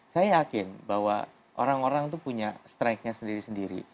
saya yakin bahwa orang orang itu punya strike nya sendiri sendiri